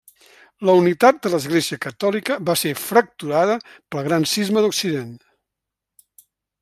La unitat de l'Església catòlica va ser fracturada pel Gran cisma d'Occident.